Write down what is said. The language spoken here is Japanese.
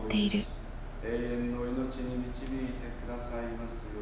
永遠の命に導いてくださいますように。